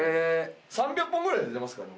３００本ぐらい出てますからね